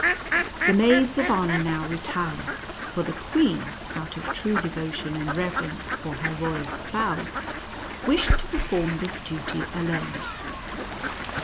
The maids of honor now retired, for the queen, out of true devotion and reverence for her royal spouse, wished to perform this duty alone.